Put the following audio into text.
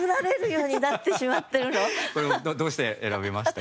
これはどうして選びましたか？